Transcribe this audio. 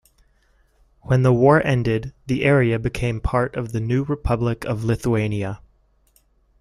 When the war ended, the area became part of the new Republic of Lithuania.